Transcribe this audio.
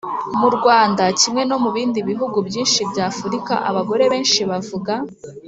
mu rwanda kimwe no mu bindi bihugu byinshi by’afurika abagore benshi bavuga